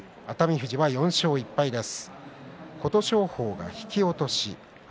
富士は４勝１敗です。